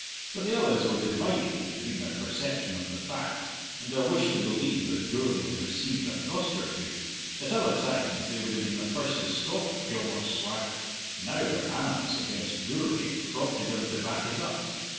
But the others were divided between their perception of the fact and their wish to believe that Gourlay had received a thrust or two. At other times they would have been the first to scoff at Gilmour's swagger. Now their animus against Gourlay prompted them to back it up.